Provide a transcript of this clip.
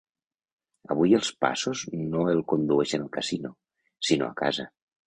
Avui els passos no el condueixen al casino, sinó a casa.